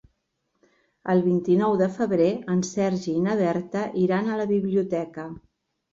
El vint-i-nou de febrer en Sergi i na Berta iran a la biblioteca.